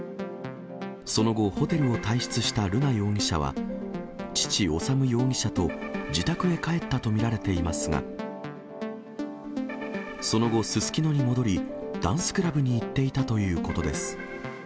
その後、ホテルを退室した瑠奈容疑者は、父、修容疑者と自宅へ帰ったと見られていますが、その後、すすきのに戻り、ダンスクラブに行っていたということです。